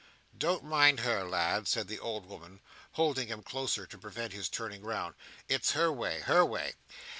"Don't mind her, lad," said the old woman, holding him closer to prevent his turning round. "It's her way—her way.